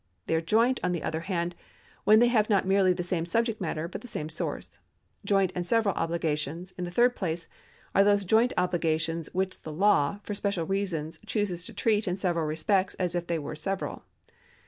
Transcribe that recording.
They are joint, on the other hand, when they have not merely the same subject matter, but the same soiu'ce. Joint and several obligations, in the third place, are those joint obligations which the law, for special reasons, chooses to treat in special respects as if they were several.